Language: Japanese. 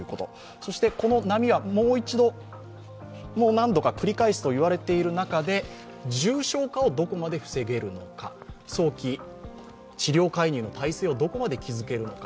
そして、この波は何度か繰り返すと言われている中で、重症化をどこまで防げるのか早期治療介入の体制をどこまで築けるのか。